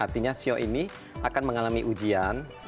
artinya sio ini akan mengalami ujian